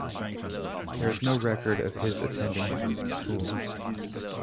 There is no record of his attending school.